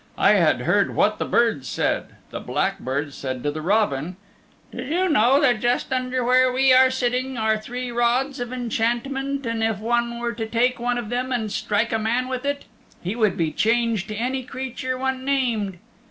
I had heard what the birds said. The blackbird said to the robin, 'Do you know that just under where we are sitting are three rods of enchantment, and if one were to take one of them and strike a man with it, he would be changed to any creature one named?